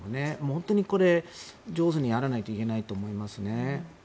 本当にこれは上手にやらないといけないと思いますね。